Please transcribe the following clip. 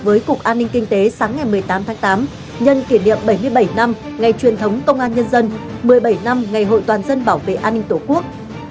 với cục an ninh kinh tế sáng ngày một mươi tám tháng tám nhân kỷ niệm bảy mươi bảy năm ngày truyền thống công an nhân dân một mươi bảy năm ngày hội toàn dân bảo vệ an ninh tổ quốc